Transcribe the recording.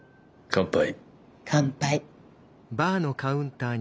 乾杯。